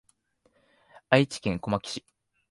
愛知県小牧市